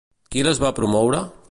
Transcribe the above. Qui les va promoure?